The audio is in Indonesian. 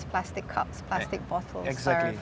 sebagai buah plastik botol plastik